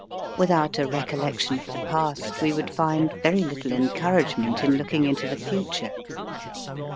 Without a recol lection of the past we would find very little encouragement in looking into the future.